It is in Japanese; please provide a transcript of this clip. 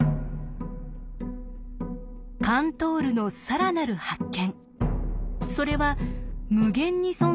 カントールの更なる発見。